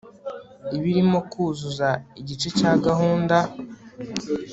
ibirimo kuzuza igice cya gahunda